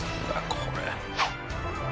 これ。